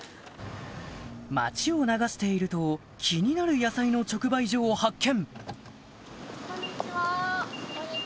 町を流していると気になる野菜の直売所を発見